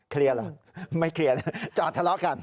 เคลียร์เหรอไม่เคลียร์จอดทะเลาะกัน